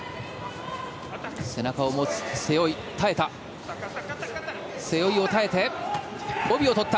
背中を持つ背負い、耐えた。